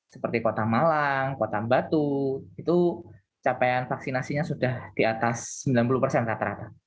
seperti kota malang kota batu itu capaian vaksinasinya sudah di atas sembilan puluh persen rata rata